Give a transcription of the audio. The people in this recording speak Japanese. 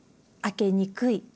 開けにくい